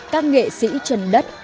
các nghệ sĩ trần đất